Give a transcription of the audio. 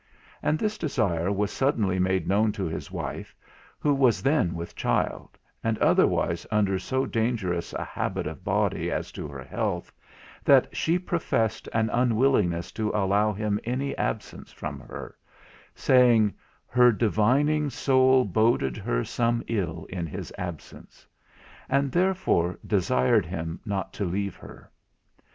And this desire was suddenly made known to his wife, who was then with child, and otherwise under so dangerous a habit of body as to her health, that she professed an unwillingness to allow him any absence from her; saying, "Her divining soul boded her some ill in his absence;" and therefore desired him not to leave her.